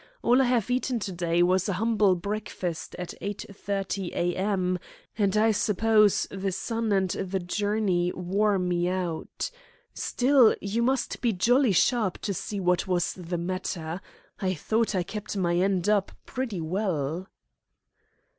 All I have eaten to day was a humble breakfast at 8.30 a.m., and I suppose the sun and the journey wore me out. Still, you must be jolly sharp to see what was the matter. I thought I kept my end up pretty well."